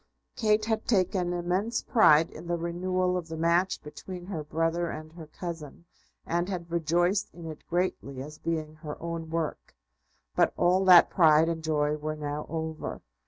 Kate had taken immense pride in the renewal of the match between her brother and her cousin, and had rejoiced in it greatly as being her own work. But all that pride and joy were now over.